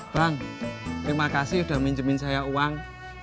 bang terima kasih sudah minjemin saya uang